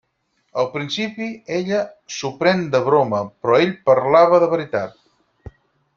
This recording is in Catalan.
Al principi ella s'ho pren de broma però ell parlava de veritat.